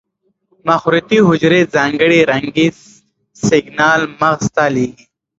مخروطې حجرې ځانګړي رنګي سېګنال مغز ته لېږي.